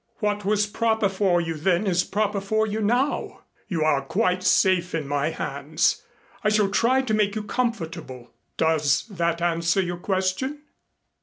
What was proper for you then is proper for you now. You are quite safe in my hands. I shall try to make you comfortable. Does that answer your question?"